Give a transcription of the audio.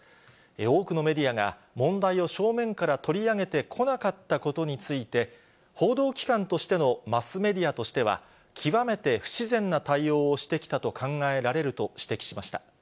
多くのメディアが、問題を正面から取り上げてこなかったことについて、報道機関としてのマスメディアとしては、極めて不自然な対応をしてきたと考えられると指摘しました。